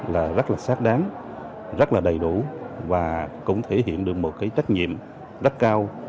là rất sát đáng rất đầy đủ và cũng thể hiện được một trách nhiệm rất cao